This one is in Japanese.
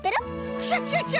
クシャシャシャ！